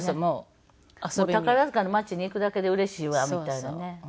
宝塚の街に行くだけでうれしいわみたいなね。